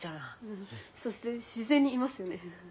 うんそして自然にいますよね。